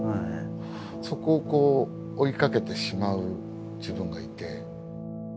そこをこう追いかけてしまう自分がいて。